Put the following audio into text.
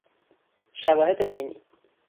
شواهد عینی